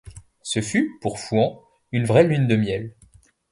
Ce fut, pour Fouan, une vraie lune de miel.